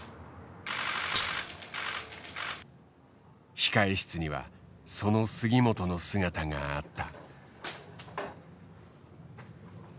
控え室にはその杉本の姿があった。